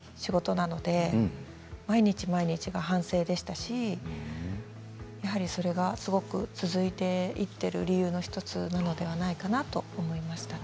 でも本当に正解がない仕事なので毎日毎日が反省でしたしやはり、それがすごく続いていっている理由の１つなのではないかなと思います。